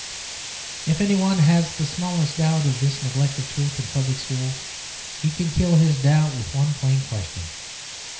If any one has the smallest doubt of this neglect of truth in public schools he can kill his doubt with one plain question.